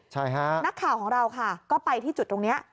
ใช่ฮะนักข่าวของเราค่ะก็ไปที่จุดตรงนี้